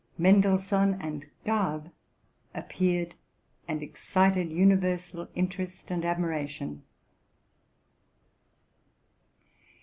Men delssohn and Garve appeared, and excited universal interest and admiration.